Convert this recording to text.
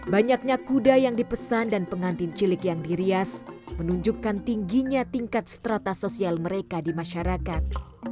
banyaknya kuda yang dipesan dan pengantin cilik yang dirias menunjukkan tingginya tingkat strata sosial mereka di masyarakat